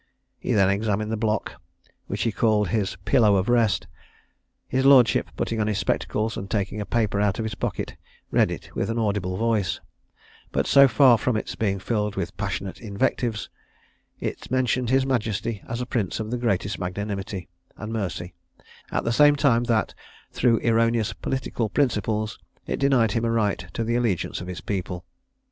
He then examined the block, which he called his "pillow of rest." His lordship, putting on his spectacles, and taking a paper out of his pocket, read it with an audible voice: but so far from its being filled with passionate invectives, it mentioned his majesty as a prince of the greatest magnanimity and mercy, at the same time that, through erroneous political principles, it denied him a right to the allegiance of his people.